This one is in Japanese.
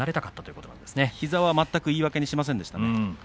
膝は全く言い訳にしませんでした。